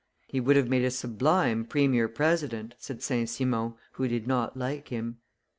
"He would have made a sublime premier president," said St. Simon, who did not like him.